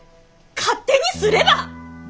勝手にすれば！